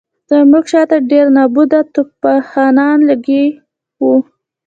زموږ شاته ډېره نابوده توپخانه لګولې وه.